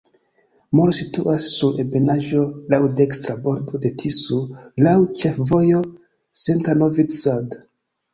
Mol situas sur ebenaĵo, laŭ dekstra bordo de Tiso, laŭ ĉefvojo Senta-Novi Sad.